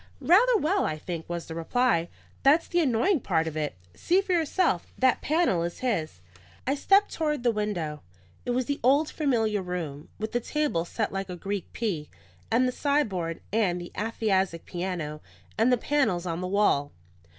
"Rather well, I think," was the reply. "That's the annoying part of it. See for yourself. That panel is his." I stepped toward the window. It was the old familiar room, with the tables set like a Greek P, and the sideboard, and the aphasiac piano, and the panels on the wall.